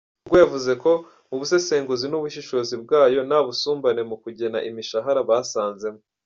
Google yavuze ko mu busesenguzi n’ubushishozi bwayo nta busumbane mu kugena imishahara basanzemo.